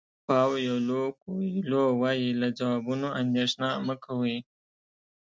پاویلو کویلو وایي له ځوابونو اندېښنه مه کوئ.